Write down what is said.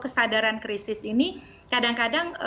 kesadaran krisis ini kadang kadang